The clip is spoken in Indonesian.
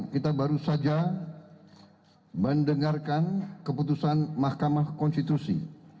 kita baru saja mendengarkan keputusan mahkamah konstitusi